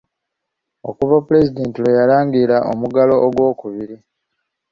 Okuva Pulezidenti lwe yalangirira omuggalo ogwokubiri.